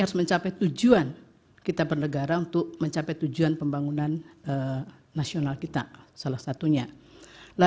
harus mencapai tujuan kita bernegara untuk mencapai tujuan pembangunan nasional kita salah satunya